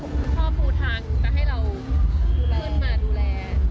คุณพ่อปูทางจะให้เราขึ้นมาดูแล